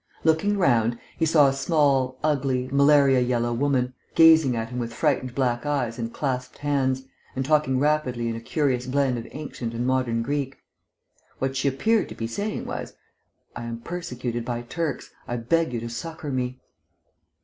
Looking round, he saw a small, ugly, malaria yellow woman, gazing at him with frightened black eyes and clasped hands, and talking rapidly in a curious blend of ancient and modern Greek. What she appeared to be saying was: "I am persecuted by Turks; I beg you to succour me!"